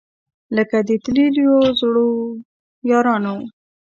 لکه د تللیو زړو یارانو